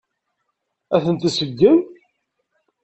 Ad ten-iseggem?